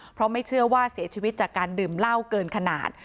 เพราะไม่เชื่อว่าเสียชีวิตจากการดื่มเหล้าเกินขนาด